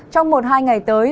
trong một hai ngày tới